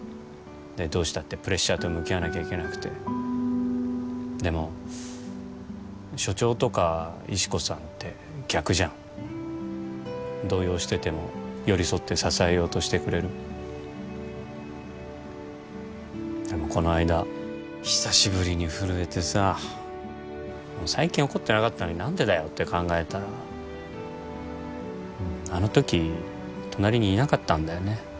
どうしたってプレッシャーと向き合わなきゃいけなくてでも所長とか石子さんって逆じゃん動揺してても寄り添って支えようとしてくれるでもこの間久しぶりに震えてさ最近起こってなかったのに何でだよって考えたらあの時隣にいなかったんだよね